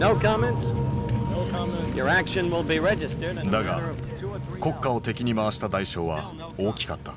だが国家を敵に回した代償は大きかった。